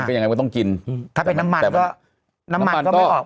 มันเป็นยังไงมันต้องกินอืมถ้าเป็นน้ำมันก็น้ำมันก็ไม่ออก